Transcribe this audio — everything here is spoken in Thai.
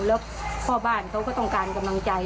แล้วพ่อบ้านเขาก็ต้องการกำลังใจ